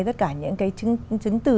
tất cả những cái chứng từ